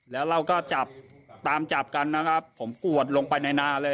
แล้วเราก็จับตามจับกันนะครับผมกวดลงไปในนาเลย